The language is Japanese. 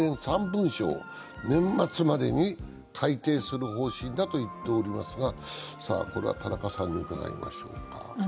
３文書を年末までに改訂する方針だと言っておりますが田中さんに伺いましょうか。